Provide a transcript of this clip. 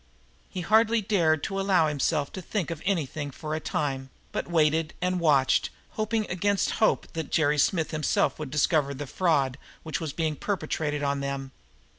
He hardly dared to allow himself to think of anything for a time, but waited and watched, hoping against hope that Jerry Smith himself would discover the fraud which was being perpetrated on them.